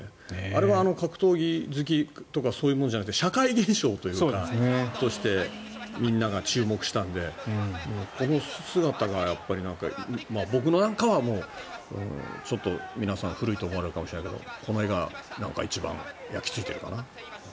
あれは格闘技好きとかそういうものじゃなくて社会現象としてみんなが注目したのでこの姿が僕の中はちょっと皆さん古いと思われるかもしれないけどこの画が一番焼きついているかな。